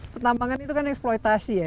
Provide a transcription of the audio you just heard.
pertambangan itu kan eksploitasi ya